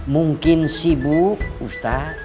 mungkin sibuk ustaz